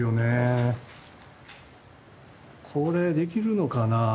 これできるのかなあ？